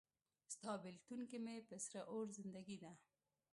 ستا بیلتون کې مې په سره اور زندګي ده